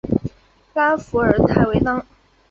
拉弗尔泰维当。